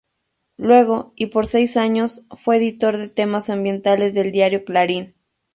Luego, y por seis años, fue editor de temas ambientales del diario Clarín.